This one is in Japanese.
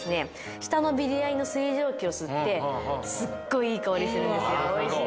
下のビリヤニの水蒸気を吸ってすっごいいい香りするんですよ